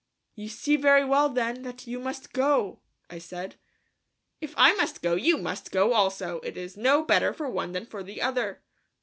"You see very well, then, that you must go," I said. "If I must go, you must go also; it is no better for one than for the other."